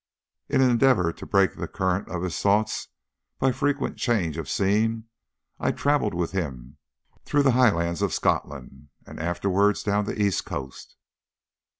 In an endeavour to break the current of his thoughts by frequent change of scene, I travelled with him through the highlands of Scotland, and afterwards down the east coast.